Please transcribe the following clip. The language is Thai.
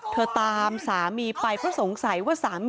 ตามสามีไปเพราะสงสัยว่าสามี